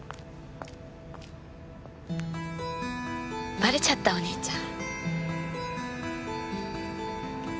ばれちゃったお兄ちゃん。